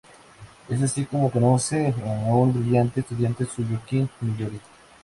Es así como conoce a un brillante estudiante suyo, Quinn Mallory.